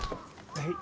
はい。